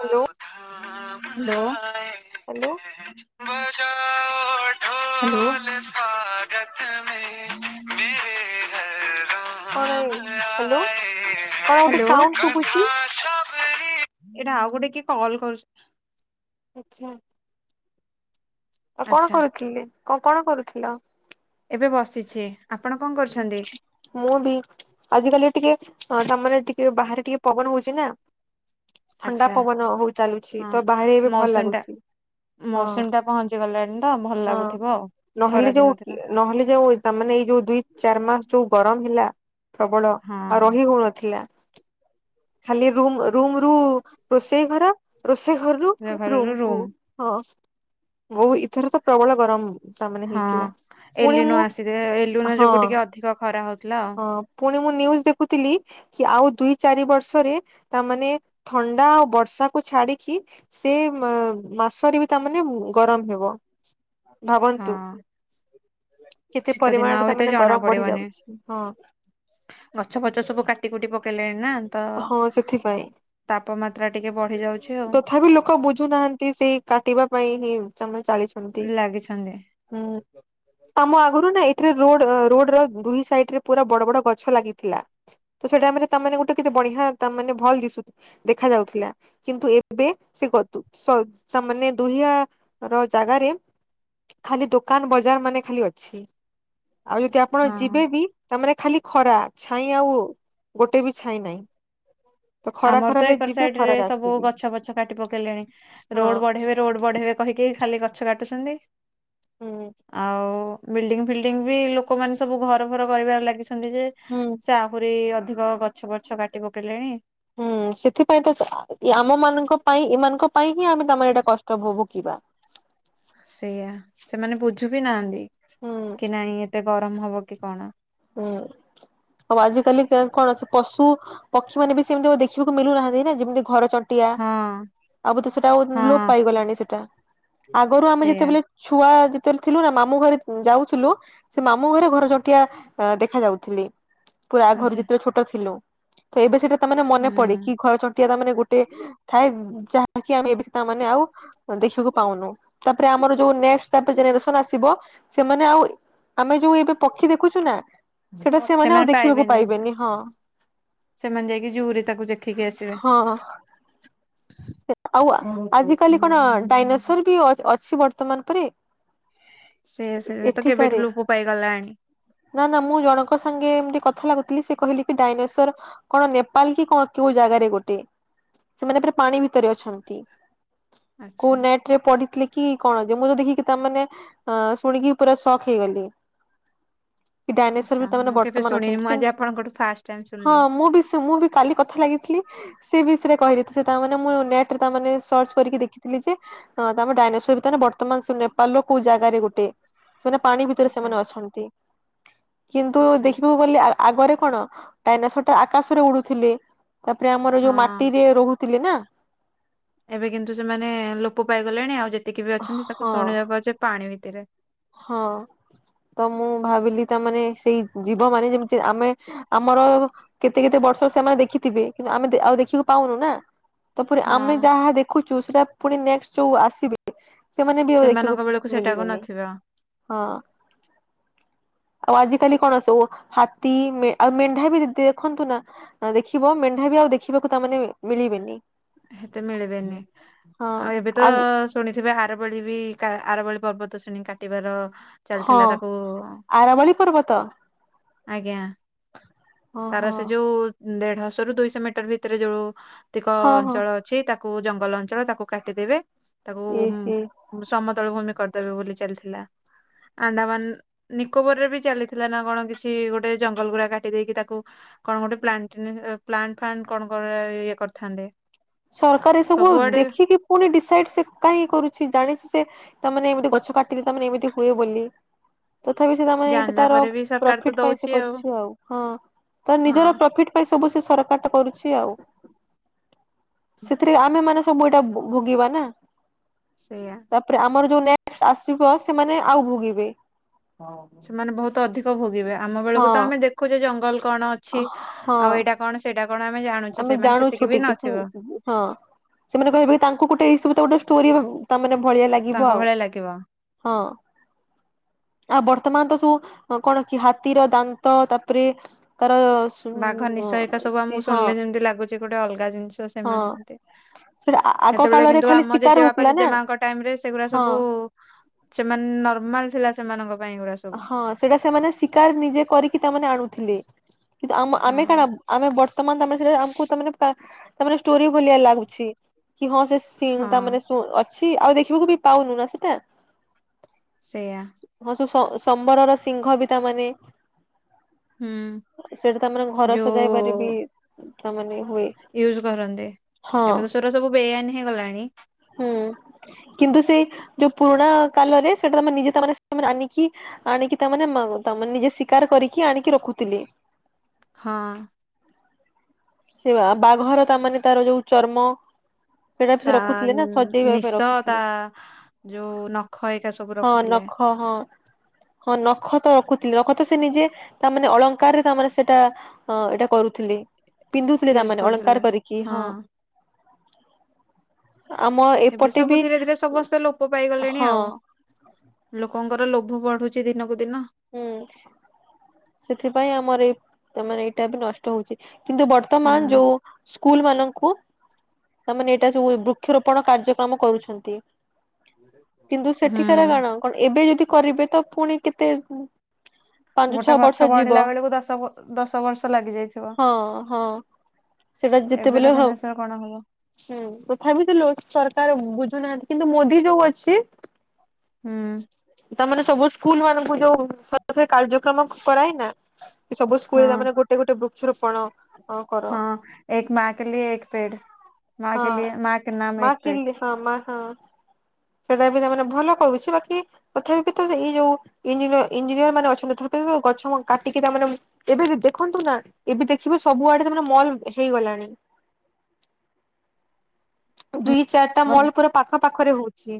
Hello hello hello. [unintelligible] କଣ hello କଣ ଗୋଟେ ସାଉଣ୍ଡ ଶୁବୁଛି। ଶବରି [unintelligible] ଏଇଟା ଆଉ ଗୋଟେ କିଏ କଲ୍ କରୁ ଆଛା। ଆଉ କଣ ଆଚ୍ଛା କରୁଥିଲି କଣ କରୁଥିଲ? ଏବେ ବସିଛି ଆପଣ କଣ କରୁଛନ୍ତି? ମୁଁ ବି ଆଜିକାଲି ଟିକେ ଅ ତାମାନେ ଟିକେ ବାହାରେ ଟିକେ ପବନ ହଉଛି ନା ଥଣ୍ଡା ଆଚ୍ଛା ପବନ ହଉ ଚାଲୁଛି ହଁ ତ ବାହାରେ ଏବେ ଭଲ ମୌସୁମୀ ଟା ଲାଗୁଛି। ହଁ ମୌସୁମୀ ଟା ପହଞ୍ଚି ଗଲାଣି ତ ଭଲ ହଁ ଲାଗୁଥିବ ଆଉ। ଖରା ନହେଲେ ଦିନ ଯୋଉ ଥିଲା ନହେଲେ ଯୋଉ ତାମାନେ ଏଇ ଯୋଉ ଦୁଇ ଚାର ମାସ ଯୋଉ ଗରମ ହେଲା ପ୍ରବଳ ହଁ ଆଉ ରହି ହଉନଥିଲା। ଖାଲି ରୁମ ରୁମରୁ ରୋଷେଇ ଘର ରୋଷେଇ ଘର ରୁ ଘରରୁ ରୁମ କୁ ରୁମ୍ ହଁ ଓଃ ଏଥର ତ ପ୍ରବଳ ଗରମ ତା ମାନେ ହଁ ହେଇଥିଲା ପୁଣି ମୁଁ [inaudible] ହଁ ଯୋଗୁ ଟିକେ ଅଧିକ ଖରା ହଉଥିଲା ଆଉ ହଁ ପୁଣି ମୁଁ ନିଉଜ ଦେଖୁଥିଲି କି ଆଉ ଦୁଇ ଚାରି ବର୍ଷରେ ତାମାନେେ ଥଣ୍ଡା ଆଉ ବର୍ଷାକୁୁ ଛାଡିକି ସେ ମା ମାସରେ ବି ତା ମାନେ ଗରମ ହେବ। ଭାବନ୍ତୁ ହଁ କେତେ ଶୀତ ଦିନ ଆଉ ପରିମାଣରେ ଏତେ ତାମାନେ ଜଣା ଗରମ ବଢି ପଡିବନି ଯାଉଛି ହଁ। ଗଛ ଫଛ ସବୁ କାଟି କୁଟି ପକେଇଲେଣି ନା? ତ ହଁ ସେଥିପାଇଁ ତାପମାତ୍ରା ଟିକେ ବଢି ଯାଉଛି ଆଉ ତଥାପି ଲୋକ ବୁଝୁନାହାନ୍ତି ସେଇ କାଟିବା ପାଇଁ ହିଁ ସେମାନେ ଚାଲିଛନ୍ତି। ଲାଗିଛନ୍ତି ହୁଁ [unintelligible] ଆମ ଆଗରୁ ନା ଏଇଠିରେ ରୋଡ ରୋଡର ଦୁଇ ସାଇଡ ରେ ପୁରା ବଡ ବଡ ଗଛ ଲାଗିଥିଲା। ତ ସେଇଟାମାନେ ତାମାନେ ଗୋଟେ କେତେ ବଢିଆ ତା ମାନେ ଭଲ ଦିଶୁ ଦେଖାଯାଉଥିଲା। କିନ୍ତୁ ଏବେ ସେ ଗଛ ତାମାନ ଦୁନିଆ ର ଜାଗାରେ ଖାଲି ଦୋକାନ ବଜାର ମାନେ ଖାଲି ଅଛି ଆଉ ଯଦି ଆପଣ ହଁ। ଯିବେ ବି ତାମାନେ ଖାଲି ଖରା ଛାଇଁ ଆଉ ଗୋଟେ ବି ଛାଇଁ ନାଇଁ? ତ ଖରା ଆମର ଖରା ତ ରେ ଏକର ଯିବେ ସାଇଡ ରେ ଖରାରେ ଆସିବେ। ସବୁ ଗଛ ପଛ କାଟି ପକେଇଲେଣି ହଁ ରୋଡ ବଢେଇବେ ରୋଡ ବଢେଇବେ କହିକେଇ ଖାଲି ଗଛ କାଟୁଛନ୍ତି ହୁଁ ଆଉ ବିଲ୍ଡିଂ ଫିଲ୍ଡିଙ୍ଗ ବି ଲୋକମାନେ ସବୁ ଘର ଫର କରିବାରେ ଲାଗିଛନ୍ତି ଯେ ହୁଁ। ସେ ଆହୁରି ଅଧିକ ଗଛ ଫଛ କାଟି ପକେଇଲେଣି ହୁଁ ସେଥିପାଇଁ ତ ଆମମାନଙ୍କ ପାଇଁ ଏମାନଙ୍କ ପାଇଁ ହିଁ ଆମେ ତମେ ଏଇଟା କଷ୍ଟ ଭୋଗୁଥିବା। ସେଇଆ ସେମାନେ ବୁଝୁ ବିି ନାହାନ୍ତି ହୁଁ କି ନାଇଁ ଏତେ ଗରମ ହବ କି କଣ? ହୁଁ। ଆଉ ଆଜିକାଲି କଣ ପଶୁ ପକ୍ଷୀ ମାନେ ବି ସେମିତି ଦେଖିବାକୁ ମିଲୁନାହାଁନ୍ତି ନା ଯେମିତି ଘର ଚ ଟିଆ ହଁ ଆଉ ବୋଧେ ସେଟା ଆଉ ଲୋପ ହଁ ପାଇଗଲାଣି ସେଟା ଆଗରୁ ଆମେ ସେଇଆ ଯେତେବେଳେ ଛୁଆ ଯେତେବେଳେ ଥିଲୁ ନା ମାମୁଁ ଘରେ ଯାଉଥିଲୁ ସେ ମାମୁଁ ଘରେ ଘରଚଟିଆ ଦେଖା ଯାଉଥିଲେ ପୁରା ଘରେ ଆଚ୍ଛା ଯେତେବେଳେ ଛୋଟ ଥିଲୁ ସେଇ କଥାଟାମାନେ ମନେ ହୁଁ। ପଡେ କି ଘର ଚଟିଆ ତ ମାନେ ଗୋଟେ ଥାଏ ଯାହାକି ଆମେ ଏବେ ତାମାନେ ଆଉ ଦେଖିବାକୁ ପାଉନୁ ତାପରେ ଆମର ନେଷ୍ଟ ତା ପରେ ଜେନେରେସନ ଆସିବ ସେମାନେ ଆଉ ଆମେ ଯୋଉ ଏବେ ପକ୍ଷୀ ଦେଖୁଛୁ ନା? ସେଟା ଆଉ ସେମାନେ ଦେଖିବାକୁ ପାଇବେନି। ହଁ ସେମାନେ ଯାଇକି ଜୁଉ ରେ ତାକୁ ଦେଖିକି ଆସିବେ। ହଁ ଆଉ ଆଜି କାଲି କଣ ଡାଇନୋସର ବି ଅଛି ବର୍ତ୍ତମାନ ପରି? ସେୟା ସେୟା ତ କେବେ ଠୁ ଲୋପ ପାଇଗଲାଣି। ନାଁ ନାଁ ମୁଁ ଜଣଙ୍କ ସାଙ୍ଗେ ଏମତି କଥା ଲାଗୁଥିଲି ସେ କହିଲେ କି ଡାଇନେସର କଣ ନେପାଳ କି କଣ କେଉଁ ଜାଗାରେ ଗୋଟେ ସେମାନେ ପୂରାପାଣି ଭିତରେ ଅଛନ୍ତି। କୁ ଆଚ୍ଛା ନେଟ ରେ ପଢିଥିଲେ କି କଣ ଯେ ମୁଁ ଦେଖିକି ତା ମାନେ ଆ ଶୁଣିକି ପୁରା ସକ୍ ହେଇଗଲି। [inaudible] କି ଡ଼ାଇନେସର ଆଚ୍ଛା ବି ମାନେ ମୁଁ କେବେ ବର୍ତ୍ତମାନ ଶୁଣିନି ଅଛନ୍ତି ମୁଁ ଆଜି କିନ୍ତୁ ଆପଣଙ୍କଠୁ ଫାଷ୍ଟ ଟାଇମ ହଁ ଶୁଣିଲି ମୁଁ ବି ସେ ମୁଁ ବି କାଲି କ ଲାଗିଥିଲି ସେ ବିଷୟରେ କହି ଦେଇଥିଲି ତାମାନେ ମୁଁ ନେଟରେ ତା ସର୍ଚ୍ଚ କରିକି ଦେଖିଥିଲି ଯେ ହଁ ତ ଆମର ଡାଇନେସର ବର୍ତ୍ତମାନ ସେ ନେପାଳ ର କୋଉ ଜାଗାରେ ଗୋଟେ ସେମାନେ ପାଣି ଭିତରେ ଆଚ୍ଛା ସେମାନେ ଅଛନ୍ତି। କିନ୍ତୁ ଆଚ୍ଛା ଦେଖିବାକୁ ଗଲେ ଆ ଆଗରେ କଣ ଡାଇନେସର ଟା ଆକାଶରେ ଉଡୁଥିଲି ତାପରେ ଆମର ହଁ ଯୋଉ ମାଟିରେ ରହୁଥିଲେ ନା। ଏବେ କିନ୍ତୁ ସେମାନେ ଲୋପ ପାଇଗଲେଣି ଆଉ ଯେତିକି ବି ଅଛନ୍ତି ତାକୁ ହଁ ଶୁଣିବାକୁ ପାଉଛି ଯେ ପାଣି ଭିତରେ, ହଁ ତ ମୁଁ ଭାବିଲି ତା ମାନେ ସେଇ ଜୀବ ମାନେ ଯେମିତି ଆମେ ଆମର କେତେ କେତେ ବର୍ଷ ସେମାନେ ଦେଖିଥିବେ କିନ୍ତୁ, ଆମେ ଆଉ ଦେଖିକୁ ପାଉନୁ ନା। ତାପରେ ହଁ ଆମେ ଯାହା ଦେଖୁଛୁ ସେଟା ପୁଣି ନେକ୍ସଟ୍ ଯୋଉ ଆସିବେ ସେମାନେ ବି ଆଉ ସେମାନଙ୍କ ବେଳକୁ ଦେଖିବାକୁ ସେଟାକୁ ମିଳିବେନି ନଥିବ। ହଁ। ଆଉ ଆଜିିକାଲି କଣ, ସବୁ ହାତୀ ଆଉ ମେଣ୍ଢା ବି ଦେଖନ୍ତୁ ନା ହଁ ଦେଖିବ ମେଣ୍ଢା ବି ଆଉ ଦେଖିବାକୁ ତା ମାନେ ମିଳି ମିଳିବେନି। ହେତେ ମିଳିବେନି ହଁ ଆଉ ଏବେ ତ ଆ ଶୁଣି ଥିବେ ଆରବଳି ବି ଆରବଳି ପର୍ବତ ଶ୍ରେଣି କାଟିବାର। ହଁ ଚାଲିଥିଲା ତାକୁ ଆରାବଳି ପର୍ବତ ଆଜ୍ଞା। ହଁ ତାର ହଁ ସେ ଯୋଉ ଦେଢଶହ ରୁ ଦୁଇଶହ ମିଟର ଭିତରେ ଯୋଉ ଯେଉତିକ ହଁ ହଁ ଅଛି ତାକୁ ଜଙ୍ଗଲ ଅଞ୍ଚଳ, ତାକୁ କାଟିଦେବେ ତାକୁ ଏ ହେ ସମତଳ ଭୂମି କରିଦେବେ ବୋଲି ଚାଲିଥିଲା ଆଣ୍ଡାମାନ ନିକୋବର ରେ ବି ଚାଲିଥିଲା ନା କଣ କିଛି ଗୋଟେ ଜଙ୍ଗଲ ଗୁଡା କାଟି ଦେଇେଇକି ତାକୁ କଣ ଗୋଟେ ପ୍ଲାଣ୍ଟ ଫାଲଣ୍ଟ କଣ ଗୋଟେ ଇଏ କରିଥାନ୍ତେ। ସରକାର ଏ ସବୁ ସବୁଆଡେ ଦେଖିକି ପୁଣି ଡିସାଇଡ୍ ସେ କାହିଁଁ କରୁଛି ଜାଣିଛି ସେ ତାମାନେ ଏମିତି ଗଛ କାଟିଲେ ତାମାନେ ଏମିତି ହୁଏ ବୋଲି। ତଥାପି ସେ ତମେ ଏଇଟା ଜାଣିଲା ତାର ପରେ ବି ସରକାର ତ ପ୍ରଫିଟ୍ ପାଇଁ ଦଉଛି ସେ କରୁଛୁ ଆଉ ହଁ। ତ ହଁ। ନିଜର ପ୍ରଫିଟ୍ ପାଇଁ ସବୁ ସେ ସରକାରଟା କରୁଛି ଆଉ। ସେଥିରେ ଆମେ ମାନେ ସବୁ ଏଇଟା ଭୋଗିବା ନା। ସେଇୟା। ତାପରେ ଆମର ଯୋଉ ନେକ୍ସଟ୍ ଆସିବ ସେମାନେ ଆଉ ଭୋଗିବେ। ସେମାନେ ବହୁତ ଅଧିକ ଭୋଗିବେ, ଆମ ହଁ ବେଳକୁ ତ ଆମେ ଦେଖୁଛେ ଜଙ୍ଗଲ କଣ ଅଛି, ହଁ ଆଉ ଏଇଟା କଣ ସେଇଟା କଣ ଆମେ ଜାଣୁଛେ ଆମେ ସେମାନେ ଜାଣୁଛୁ ସେତିକି ବି ଟିକେ ସେ ନଥିବ। ହଁ ସେମାନେ କହିବେ, ତାଙ୍କୁ ଗୋଟେ ଏଇ ସବୁ ତ ଗୋଟେ ଷ୍ଟୋରି, ତା ମାନେ ଭଳିଆ ତାଙ୍କ ଲାଗିବ ଆଉ। ଭଳିଆ ଲାଗିବ। ହଁ। ଆଉ ବର୍ତ୍ତମାନ ତ ଯୋଉ କଣ କି ହାତୀର ଦାନ୍ତ ତାପରେ ତାର ହଁ ବାଘ ହଁ ନିସୟିକା ସବୁ ଆମକୁ ସେଟା ଶୁଣିଲେ ଯେମତି ଲାଗୁଛି ଗୋଟେ ଅଲଗା ଜିନିଷ ସେମାନେ ଏମିତି ଆଗ ସେତେବେଳେ କାଳରେ କିନ୍ତୁ ଖାଲି ଆମ ଶିକାର ଜେଜେ ବାପା ହଉଥିଲା ଜେଜେ ନା ମାଙ୍କ ଟାଇମ୍ ରେ ସେଗୁଡା ହଁ। ସବୁ ସେମାନେ ନର୍ମାଲ ଥିଲା ସେମାନଙ୍କ ପାଇଁ ଏଗୁଡା ସବୁ। ହଁ ସେଟା ସେମାନେ ଶିକାର ନିଜେ କରିକି ତାମାନେ ଆଣୁଥିଲେ, କିନ୍ତୁ ଆମ ଆମେ ହଁ କଣ? ଆମେ ବର୍ତ୍ତମାନ ତମେ, ସେଟା ଆମକୁ ତାମାନେ ତା ତା ମାନେ ଷ୍ଟୋରି ଭଲିଆ ଲାଗୁଛି କି ହଁ ସେ ସିନ୍ ତା ହଁ ମାନେ ଅଛି। ଅଛି ଆଉ ଦେଖିବାକୁ ବି ପାଉନୁ ନା ସେଟା। ସେଇୟା। ହଁ ସ ସମ୍ବରର ସିଂହ ବି ତା ମାନେ। ହୁଁ ସେଟା ତା ମାନେ ଘର ସଜାଇବାରେ ବି ଯୋଉ ତାମାନେ। ହୁଏ ୟୁଜ କରନ୍ତୀ ହଁ ଏବେ ତ ସେଗୁରା ସବୁ ବେଆଇନ୍ ହେଇଗଲାଣି। ହୁଁ କିନ୍ତୁ ସେ ଯୋଉ ପୁରୁଣା କାଲରେ ସେଇଟା ତମେ ନିଜେ ତା ମାନେ ସେମାନେ ଆଣିକି। ଆଣିକି ତାମାନେ ମ୍ ମ୍ ନିଜେ ଶିକାର କରିକି ଆଣିକି ରଖୁଥିଲେ। ହଁ। ସେ ବାଘର ତା ମାନେ ତାର ଯୋଉ ଚର୍ମ। ସେଇଟା ବି ସେ ତା ରଖୁଥିଲେ ନା ସଜେଇବା ପାଇଁ ନିଶ ତା ରଖୁଥିଲେ ଯୋଉ ନଖ ଏକଇା ସବୁ ହଁ ରଖୁଥିଲେ। ନଖ ହଁ ହଁ ନଖତ ରଖୁଥିଲେ ନଖତ ସେ ନିଜେ ତାମାନେ ଅଳଙ୍କାରରେ ତାମାନେ ସେଇଟା ହଁ ଏଇଟା କରୁଥିଲେ ପିନ୍ଧୁଥିଲେ ୟୁଜ ତାମାନେ କରୁଥିଲେ ଅଳଙ୍କାର କରିକି ହଁ। ଆମ ଏବେ ଏପଟେ ସବୁ ବି ଧୀରେ ଧୀରେ ସମସ୍ତେ ଲୋପ୍ ପାଇ ଗଲେଣି ହଁ ଆଉ। ଲୋକଙ୍କର ଲୋଭ ବଢୁଛି ଦିନକୁ ଦିନ। ହୁଁ ସେଥିପାଇଁ ଆମର ଏଇ ମାନେ ଏଇଟା ଏବେ ନଷ୍ଟ ହଉଛି କିନ୍ତୁ ବର୍ତ ହୁଁ ବର୍ତମାନ ଯଉ ସ୍କୁଲ ମାନଙ୍କୁ ତାମାନେ ଏଇଟା ଯୋଉ ବୃକ୍ଷରୋପଣ କାର୍ଯ୍ୟକ୍ରମ କରୁଛନ୍ତି। କିନ୍ତୁ ହୁଁ ସେଠିକାର କଣ କଣ ଏବେ ଯଦି କରିବେ ତ ପୁଣି କେତେ ପାଞ୍ଚ ଗୋଟେ ଛଅ ବର୍ଷ ଗଛ ଯିବ ବଢିଲା ବେଳକୁ ଦଶ ଦଶ ବର୍ଷ ଲାଗି ଯାଇଥିବ। ହଁ ହଁ ସେଇଟା ଏବେ ଯେତେବେଳେ ର ହଉ ଜେନେରେଶନ କଣ ହବ। ହୁଁ ତଥାପି ତ ଲୋ ସରକାର ବୁଝୁନାହାନ୍ତି କିନ୍ତୁ ମୋଦି ଯୋଉ ଅଛି ହୁଁ। ତା ମାନେ ସବୁ ସ୍କୁଲ ମାନଙ୍କୁ ଯୋଉ କାର୍ଯ୍ୟକ୍ରମ କରାଇନା ସବୁ ହଁ ସ୍କୁଲାରେ ଗୋଟେ ଗୋଟେ ବୃକ୍ଷ ରୋପଣ। ହଁ ଏକ ମା କେ ଲିଏ ଏକ ପେଡ଼ ମା ହଁ କେ ଲିଏ ମା କେ ନାମ ମା ଏକ ପେଡ଼। କିଲି ହଁ ମା ହଁ ସେଟା ବି ତାମାନେେ ଭଲ କରୁଛି ବାକି ତଥାପି ତ ଏଇ ଯୋଉ ଇଞ ଇଞ୍ଜିନିୟର ମାନେ ଅଛନ୍ତି ଗଛ କାଟିକି ତାମାନେ ଏବେ ଦେଖନ୍ତୁ ନା ଏବେ ଦେଖିବ ସବୁଆଡେ ତମର ମଲ ହେଇଗଲାଣି। ଦୁଇ ଚାରିଟା ପେଡ ମଲ ପୁରା ପାଖ ପାାଖରେ ହଉଛି।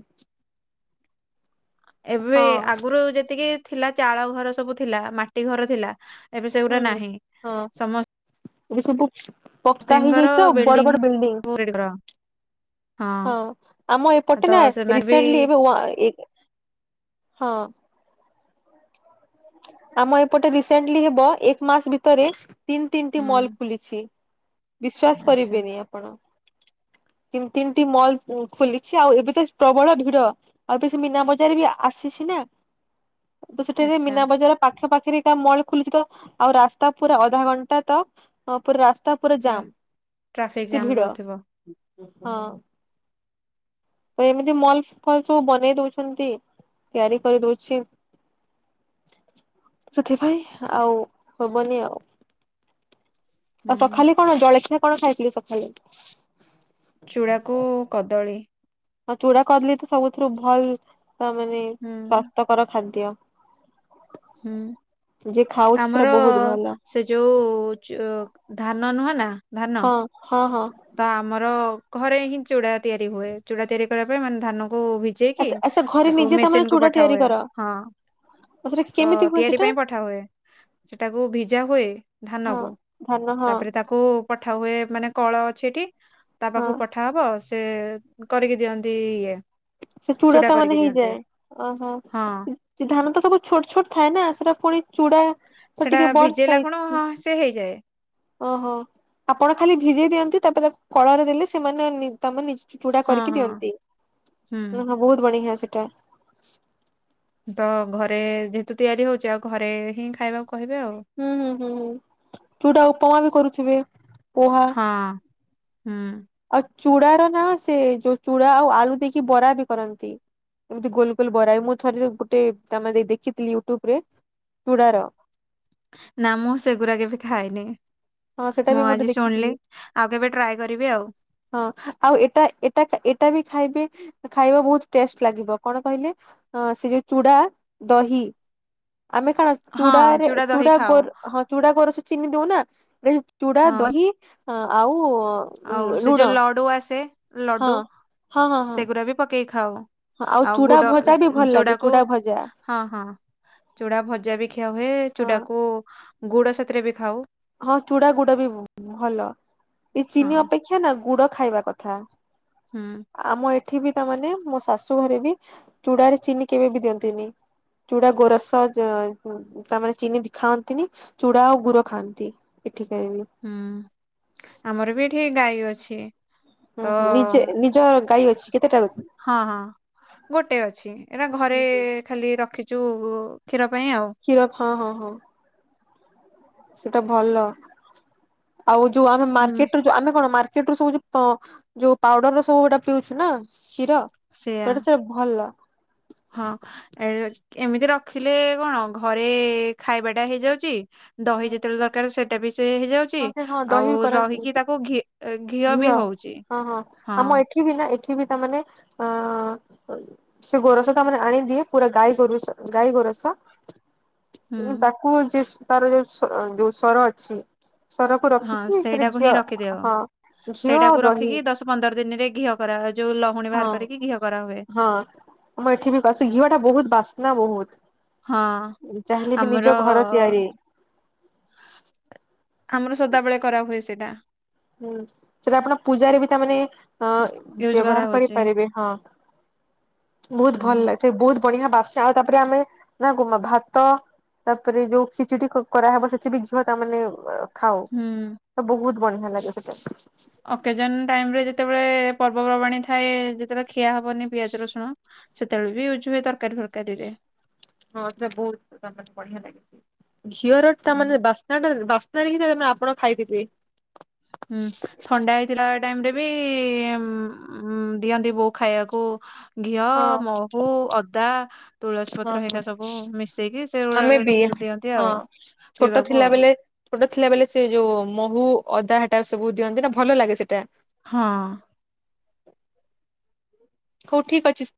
ଏବେ ହଁ ଆଗରୁ ଯେତିକି ଥିଲା ଚାଳ ଘର ସବୁ ଥିଲା ମାଟି ଘର ଥିଲା। ଏବେ ସେଗୁଡା ହୁଁ ନାହିଁ ହଁ ସମସ୍ତ ଏବେ ସବୁ ପ ପକ୍କା ହେଇଯାଇଛି ଆଉ ବଡ ବଡ ବିଲ୍ଡିଂ। ରେଡି ଘର। ହଁ ଆମ ଏପଟେ ତ ନା ସେମାନେ ବି ରିସେଣ୍ଟଲି ଏବେ ୱା ଏ ହଁ। ଆମ ଏପଟେ ରିସେଣ୍ଟଲି ହେବ ଏକ ମାସରେ ଭିତରେ ତିନି ତିନିଟି ହୁଁ ମଲ୍ ଖୋଲିଛି। ଛି ବିଶ୍ଵାସ ଆଚ୍ଛା କରିବେନି ଆପଣ। ତିନି ତିନିଟି ମଲ୍ ଖୋଲିଛି ଆଉ ଏବେ ତ ପ୍ରବଳ ଭିଡ। ଆଉ ବେଶୀ ମୀନା ବଜାର ବି ଆସିଛି ନା। ତ ସେଠାରେ ଆଚ୍ଛା ମୀନା ବଜାର ପାଖ ପାଖରେ ଏକା ମଲ ଖୋଲିଛି ତ ଆଉ ରାସ୍ତା ପୁରା ଅଧା ଘଣ୍ଟା ତ ହ ପୁରା ରାସ୍ତା ପୁରା ଜାମ୍ ଟ୍ରାଫିକ ଏତେ ଜାମ ଭିଡ ରହୁଥିବ। ହଁ। ଏମିତି ମଲ ଫଲ ସବୁ ବନେଇ ଦଉଛନ୍ତି ତିଆରି କରି ଦଉଛି। ସେଥିପାଇଁ ଆଉ ହବନି ଆଉ। ଆଉ ହୁଁ ସଖାଲେ କଣ ଜଳଖିଆ କଣ ଖାଇଥିଲି ସକାଳେ। ଚୂଡ଼ାକୁ କଦଳୀ। ହଁ ଚୁଡା କଦଳୀ ତ ସବୁଥିରୁ ଭଲ ତା ମାନେ ହୁଁ ସ୍ଵାସ୍ଥ୍ୟକର ଖାଦ୍ୟ। ହୁଁ [unintelligible] ଯିଏ ଖାଉଚି ଆମର ସେଇଟା ବହୁତ ଭଲ। ସେ ଯୋଉ ଯୋ ଧାନ ନୁହେଁ ନା ଧାନ ହଁ ହଁ ହଁ ତ ଆମର ଘରେ ହିଁ ଚୁଡା ତିଆରି ହୁଏ ଚୁଡା ତିଆରି କରିବା ପାଇଁ ମାନେ ଧାନକୁ ଭି ଭିଜେଇକି ଆଚ୍ଛା ଆଚ୍ଛା ଘରେ ତାକୁ ନିଜେ ତମର ମେସିନକୁ ଚୁଡା ପଠା ତିଆରି ହୁଏ। କର? ହଁ ଆଉ ସେଟା ତ କେମିତି ହୁଏ ତିଆରି ସେଟା? ପାଇଁ ପଠା ହୁଏ। ସେଟାକୁ ଭିଜା ହୁଏ ଧାନ ହଁ କୁ ଧାନ ହଁ ତାପରେ ତାକୁ କୁ ପଠା ହୁଏ ମାନେ କଳ ଅଛି ଏଠି ତା ହଁ ପାଖକୁ ପଠ ପଠାହବ ସେ କରିକି ଦିଅନ୍ତି ଇଏ ସେ ଚୁଡା ତା ମାନେ କରିକି ଦିଅନ୍ତି ହେଇଯାଏ। ଓହୋ ହଁ ଧାନ ତ ସବୁ ଛୋଟ ଛୋଟ ଥାଏ ନା ସେଇଟା ପୁଣି ଚୁଡା ତ ସେଇଟା ଟିକେ ବଡ ସାଇଜ ଭିଜେଇଲା କଣ ସେ ହେଇଯାଏ। ଓହୋ ଆପଣ ଖାଲି ଭିଜେଇ ଦିଅନ୍ତି ତାପରେ ତା କଳରେ ଦେଲେ ସେମାନେ ନି ତମେ ନିଜେ ଚୁଡା ହଁ କରିକି ହଁ ଦିଅନ୍ତି, ହୁଁ ହଁ ବହୁତ ବଢିଆ ସେଇଟା। ତ ଘରେ ଯେହେତୁ ତିଆରି ହଉଚି ଆଉ ଘରେ ହିଁ ଖାଇବାକୁ କହିବେ ଆଉ ହୁଁ- ହୁଁ ଚୁଡ଼ା ଉପମା ବି କରୁଥିବେ ପୁହା ହଁ, ହୁଁ। ଆଉ ଚୁଡାର ନା ସେ ଯୋଉ ଚୁଡା ଆଉ ଆଳୁ ଦେଇକି ବରା ବି କରନ୍ତି। ଏମିତି ଗୋଲ ଗୋଲ ବରାଏ ମୁଁ ଥରେ ଗୋଟେ ତମେ ଦେଇ ଦେଖିଥିଲି ୟୁଟ୍ୟୁବରେ ଚୁଡାର ନା ମୁଁ ସେଗୁରା କେବେ ଖାଇନି। ହଁ ସେଟା ବି ମୁଁ ଗୋଟେ ଆଜି ଶୁଣିଲି ଦେଖିଥିଲି ଆଉ କେବେ ଟ୍ରାଏ କରିବି ଆଉ ହଁ ଆଉ ଏଇଟା, ଏଇଟା, ଏଇଟା ବି ଖାଇବେ। ଖାଇବା ବହୁତ ଟେଷ୍ଟ ଲାଗିବ କଣ କହିଲେ ସେ ଯୋଉ ଚୁଡା ଦହି। ଆମେ କଣ ହଁ ଚୁଡାରେ ଦହି ଚୁଡା ଖାଉ ଗୋର ହଁ ଚୁଡା ଗୋରସ ଚିନି ଦଉନା ଚୁଡା ହଁ ଦହି ଆଉ ଆଉ ସେ ଲୁଣ ଯୋଉ ଲଡୁ ଆସେ ହଁ ଲଡୁ ହଁ ହଁ ହଁ ସେଗୁରା ବି ପକେଇକି ଖାଉ। ହଁ ଆଉ ଚୁଡା ଗୁଡ ଭଜା ବି ଭଲ ଲାଗେ ଚୁଡାକୁ ଚୁଡା ଭଜା ହଁ ହଁ। ଚୁଡା ଭଜା ବି ଖିଆ ହୁଏ ହଁ ଚୁଡାକୁ ଗୁଡ ସାଥିରେ ବି ଖାଉ। ହଁ ଚୁଡା ଗୁଡ ବି ଭ ଭଲ ଏ ହଁ ଚିନି ଅପେକ୍ଷା ନା ଗୁଡ ଖାଇବା କଥା। ହୁଁ ଆମ ଏଠି ବି ତାମାନେ ମୋ ଶାଶୁ ଘରେ ବି ଚୁଡାରେ ଚିନି କେବେ ବି ଦିଅନ୍ତିନି। ଚୁଡା ଗୋରସ ତାମାନେ ଚିନି ବି ଖାଆନ୍ତିନି ଚୁଡା ଆଉ ଗୁଡ ଖାଆନ୍ତି। ବି ଏଠିଖାଏ ମୁଁ। ହୁଁ, ଆମର ବି ଏଠି ଗାଈ ଅଛି। ତ ହୁଁ, ହୁଁ ନିଜେ ନିଜ ଗାଈ ଅଛି କେତେଟା? ହଁ, ହଁ ଗୋଟେ ଅଛି ଏରା ଘରେ ହୁଁ ହୁଁ ଖାଲି ରଖିଛୁ କ୍ଷୀର ପାଇଁ ଆଉ କ୍ଷୀର ହଁ, ହଁ, ହଁ। ସେଇଟା ଭଲ ଆଉ ଯୋଉ ଆମେ ହୁଁ ମାର୍କେଟରୁ ଯୋଉ ଆମେ କଣ ମାର ଏଟୁ ସବୁ ଯୋଉ ପାଉଡର ସବୁ ପିଉଚୁ ନା କ୍ଷୀର ସେଇଆ ତ ଏଇଟା ସେ ଭଲ। ହଁ ଏମିତି ରଖିଲେ କଣ ଘରେ ଖାଇବାଟା ହେଇଯାଉଚି ଦହି ଯେତେବେଳେ ଦରକାର ସେଇଟା ବି ସେ ହେଇଯାଉଚି। ହଁ ସେ ଚି, ହଁ ଆଉ ଦହି କରନ୍ତି ରହିକି ତାକୁ ଘି ଘିଅ ବି ହଉଚି। ହଁ ହଁ ଆମ ଏଠି ବି ନା ଏଠି ବି ତା ମାନେ ଅ ସେ ଗୋରସ ତା ମାନେ ଆଣିଦିଏ ପୁରା ଗାଈ ଗୋରୁସ, ଗାଈ ଗୋରସ। ହୁଁ ତାକୁ ଯିପସ୍ ସ୍ତରରେ ଯୋଉ ସର ଅଛି ସରକୁ ହଁ ରଖିକି ସେଟା ସେଇଟାକୁ ଘିଅ ହିଁ ରଖିଦିଅ? ହଁ ଘିଅ ଆଉ ସେଇଟାକୁ ଦହି ରଖିକି ଦଶ ପନ୍ଦର ଦିନରେ ଘିଅ କରାହୁଏ, ଯୋଉ ଲହୁଣୀ ବାହାର କରିକି ଘିଅ କରା ହୁଏ। ହଁ ମୁଁ ଏଠି ବି କରିଚି, ଘିଅ ଟା ବହୁତ ବାସ୍ନା ବହୁତ। ହଁ ଯାହାହେଲେ ବି ନିଜ ଆମର ଘର ତିଆରି ଆମର ସଦାବେଳେ କରା ହୁଏ ସେଇଟା। ହୁଁ ସେଇଟା ଆପଣ ପୂଜାରେ ବି ତା ମାନେ ଅ ୟୁଜ କରା ବ୍ୟବହାର ହଉଛି କରିପାରିବେ, ହଁ ବହୁତ ଭଲ ହୁଁ ଲାଗେ, ସେ ବହୁତ ବଢିଆ ବାସ୍ନା ହୁଏ, ତାପରେ ଆମେ ନା ଭାତ ତାପରେ ଯୋଉ ଖିଚିଡି କରାହେବ ସେଥି ବିି ଘିଅଟା ମାନେ ଅ ଖାଉ, ହୁଁ ସବୁ ବହୁତ ବଢିଆ ଲାଗେ ସେଟା। ଅକେଜନ ଟାଇମ୍ ରେ ଯେତେବେଳେ, ପର୍ବପର୍ବାଣୀ ଥାଏ ଯେତେବେଳେ ଖିଆ ହବନି ପିଆଜ ରସୁଣ, ସେତେବେଳେ ବି ୟୁଜ୍ ହୁଏ ତରକାରୀ ଫରକାରୀ ରେ ହଁ ସେଇଟା ବହୁତ ବଢିଆ ଲାଗେ, ଘିଅର ହୁଁ। ତାମାନେ ବାସ୍ନା ନା ନା ବାସ୍ନାରେ ଆପଣ ଖାଇଦେବେ। ହୁଁ ଥଣ୍ଡା ହେଇଥିଲା ଟାଇମ ରେ ବି ମୁ ଆଁ ଦିଅନ୍ତି ବୋଉ ଖାଇବାକୁ ଘିଅ, ହଁ ମହୁ, ଅଦା ତୁଳସୀ ହଁ ପତ୍ର ହଁ ହେରିକା, ସବୁ ମିଶେଇକି ଆମେ ସେଗୁଡ଼ାକ ବି ଦିଅନ୍ତି ହଁ ଆଉ ଛୋଟ ପିଇବାକୁ ଥିଲା ଆଉ ବେଲେ ଛୋଟ ଥିଲା ବେଲେ ସେ ଯୋଉ ମହୁ, ଅଦା ହେଟା ସବୁ ଦିଅନ୍ତି ନା, ଭଲ ଲାଗେ ସେଟା। ହଁ ହଉ ଠିକ ଅଛି।